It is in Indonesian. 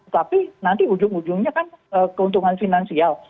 tapi nanti ujung ujungnya kan keuntungan finansial